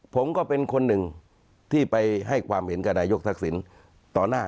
ผมก็เป็นคนหนึ่งที่ไปให้ความเห็นกับนายกทักษิณต่อหน้า